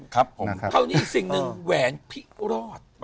ครับผมคราวนี้อีกสิ่งหนึ่งแหวนพิรอด